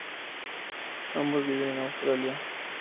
Ambos viven en Australia.